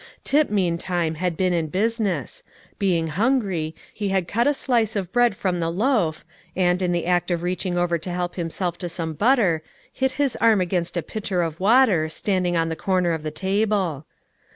Tip, meantime, had been in business; being hungry, he had cut a slice of bread from the loaf, and, in the act of reaching over to help himself to some butter, hit his arm against a pitcher of water standing on the corner of the table.